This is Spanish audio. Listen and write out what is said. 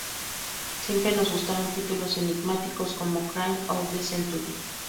Siempre nos gustaron títulos enigmáticos como "Crime of the Century"...